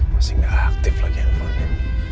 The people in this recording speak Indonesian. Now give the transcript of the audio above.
masih gak aktif lagi handphonenya